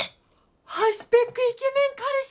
ハイスペックイケメン彼氏？